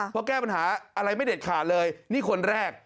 เพราะแก้ปัญหาอะไรไม่เด็ดขาดเลยนี่คนแรก